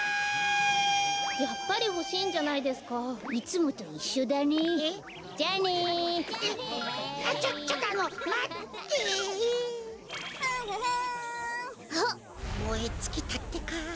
もえつきたってか。